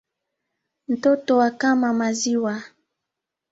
Ntoto akama maziwa